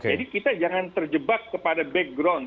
jadi kita jangan terjebak kepada background